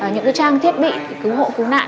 những trang thiết bị cứu hộ cứu nạn